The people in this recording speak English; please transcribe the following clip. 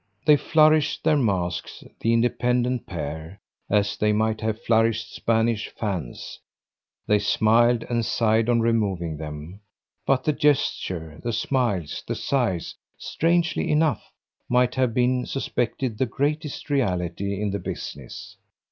They flourished their masks, the independent pair, as they might have flourished Spanish fans; they smiled and sighed on removing them; but the gesture, the smiles, the sighs, strangely enough, might have been suspected the greatest reality in the business.